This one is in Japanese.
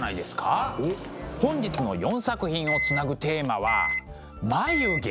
本日の４作品をつなぐテーマは「眉毛」。